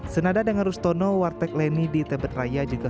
senada dengan rustono warteg leni di tebet raya juga